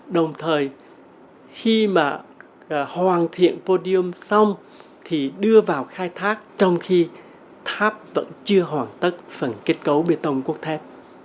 đồng thời khi mà hoàn thiện podium xong thì đưa vào khai thác trong khi tháp vẫn chưa hoàn tất phần kết cấu bê tông cốt thép